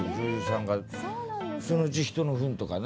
そのうち人のフンとかね。